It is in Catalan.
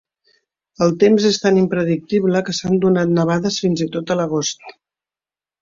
El temps és tan impredictible que s'han donat nevades fins i tot a l'agost.